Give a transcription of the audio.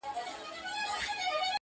قدردانو کي مي ځان قدردان وینم,